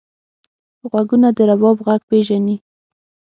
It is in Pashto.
غوږونه د رباب غږ پېژني